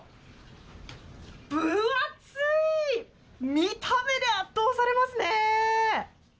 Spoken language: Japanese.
見た目で圧倒されますね。